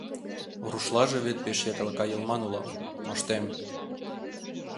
Рушлаже вет пеш яклака йылман улам, моштем.